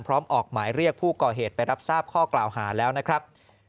ออกหมายเรียกผู้ก่อเหตุไปรับทราบข้อกล่าวหาแล้วนะครับ